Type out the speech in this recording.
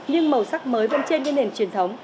nhưng màu sắc mới vẫn trên như nền truyền thống